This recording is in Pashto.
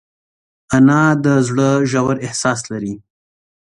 انا د زړه ژور احساس لري